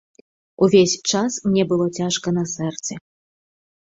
Увесь час мне было цяжка на сэрцы.